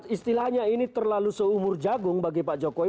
istilahnya ini terlalu seumur jagung bagi pak jokowi